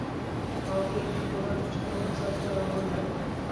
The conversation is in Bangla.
আউটলেটটির প্রধান পৃষ্ঠপোষক সাজিদা রহমান ড্যানি।